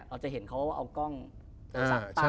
เราจะเห็นเขาเอากล้องสักตั้ง